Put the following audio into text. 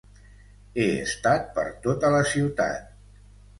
He estat per tota la ciutat.